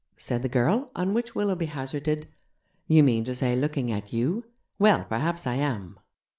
said the girl, on which Willoughby hazarded: 'You mean to say looking at you? Well, perhaps I am!'